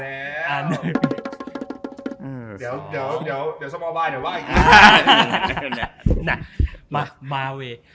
เดี๋ยวสมอบายหว่าอย่างงี้